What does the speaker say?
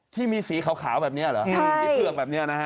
ที่มีสีขาวแบบนี้เหรอที่เผือกแบบนี้นะฮะ